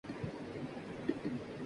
H T C